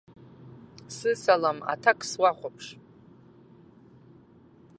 Сысалам аҭакс уҳәаԥш.